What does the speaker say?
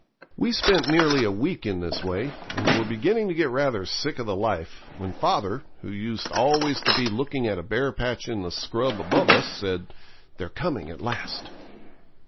We spent nearly a week in this way, and were beginning to get rather sick of the life, when father, who used always to be looking at a bare patch in the scrub above us, said 'They're coming at last.'